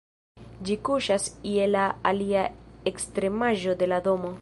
Ĝi kuŝas je la alia ekstremaĵo de la domo.